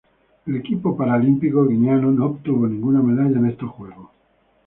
El equipo paralímpico guineano no obtuvo ninguna medalla en estos Juegos.